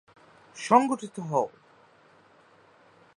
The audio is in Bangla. সংগঠিত হও!!